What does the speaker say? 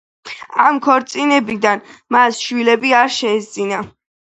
ამ ქორწინებიდან მას შვილები არ შესძენია.